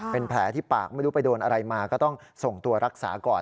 เป็นแผลที่ปากไม่รู้ไปโดนอะไรมาก็ต้องส่งตัวรักษาก่อน